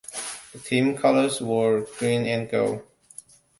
The team colors were green and gold.